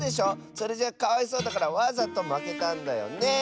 それじゃかわいそうだからわざとまけたんだよね！